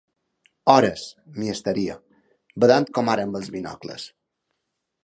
Hores, m'hi estaria, badant com ara amb els binocles.